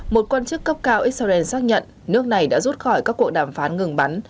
một quan chức cấp cao israel xác nhận nước này đã rút khỏi các cuộc đàm phán ngừng bắn